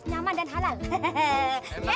nyaman dan halal